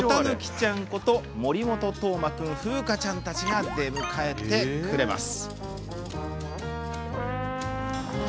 ちゃんこと森本桐誠君、楓花ちゃんたちが出迎えてくれます。